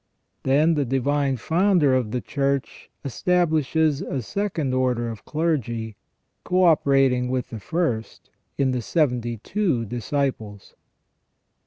Then the Divine Founder of the Church establishes a second order of clergy, co operating with the first, in the seventy two disciples.